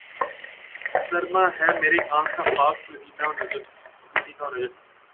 سرمہ ہے میری آنکھ کا خاک مدینہ و نجف